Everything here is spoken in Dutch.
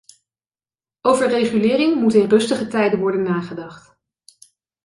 Over regulering moet in rustige tijden worden nagedacht.